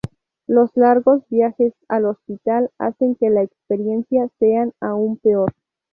Los largos viajes al hospital hacen que la experiencia sea aún peor.